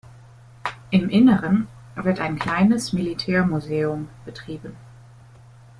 Im Inneren wird ein kleines Militärmuseum betrieben.